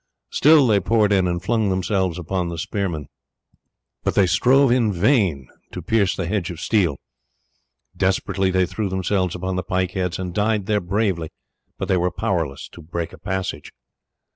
Still they poured in and flung themselves upon the spearmen, but they strove in vain to pierce the hedge of steel. Desperately they threw themselves upon the pike heads and died there bravely, but they were powerless to break a passage.